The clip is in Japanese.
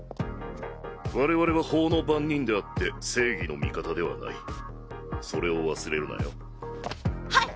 我々は法の番人であって正義の味方ではないそれを忘れるなよはい！